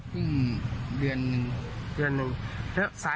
มีความตอบกันบ่อยไหมครับ